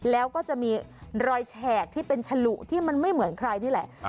แล้วก็จะมีรอยแฉกที่เป็นฉลุที่มันไม่เหมือนใครนี่แหละ